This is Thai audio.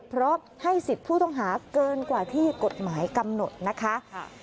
เพราะให้สิทธิ์ผู้ต้องหาเกินกว่าที่กฎหมายกำหนดนะคะ